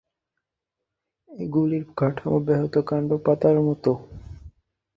এগুলির কাঠামো বাহ্যত কান্ড ও পাতার মতো।